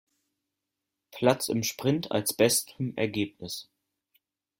Platz im Sprint als bestem Ergebnis.